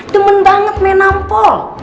demen banget main nampol